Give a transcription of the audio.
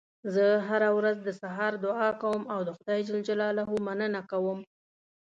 زه هره ورځ د سهار دعا کوم او د خدای ج مننه کوم